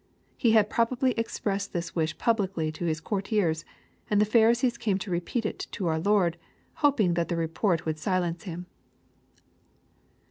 He had probably expressed this wish publicly to his courtiers, and the Pharisees came to repeat it to our Lord, hoping that the report would silence Him.